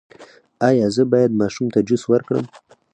ایا زه باید ماشوم ته جوس ورکړم؟